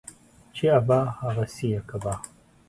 چي ابا ، هغه سي يې کبا.